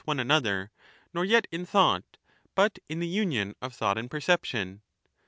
one another nor yet in thought, but in the union of thought and perception?